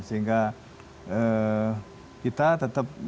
sehingga kita tetap menguji